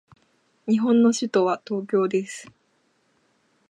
日本の首都は東京です。